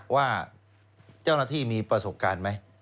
ว่า